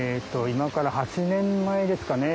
今から８年前ですかね。